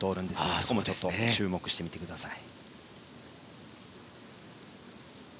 そこも注目して見てください。